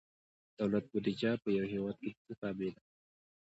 دولت بودیجه په یو هیواد کې د څه تابع ده؟